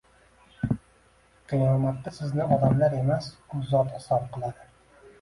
Qiyomatda sizni odamlar emas, U Zot hisob qiladi.